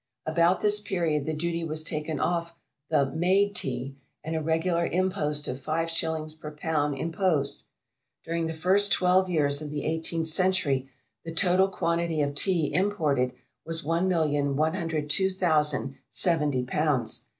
About this period the duty was taken off the "made" Tea, and a regular impost of five shillings per pound imposed. During the first twelve years of the eighteenth century, the total quantity of Tea imported was 1,102,070 lbs.